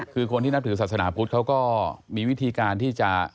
คือคนที่นับถือศาสนาพุทธเขาก็มีวิธีการที่จะ